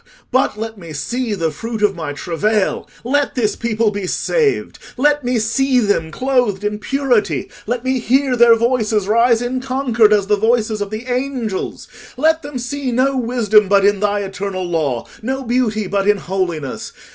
But let me see the fruit of my travail—let this people be saved! Let me see them clothed in purity: let me hear their voices rise in concord as the voices of the angels: let them see no wisdom but in thy eternal law, no beauty but in holiness.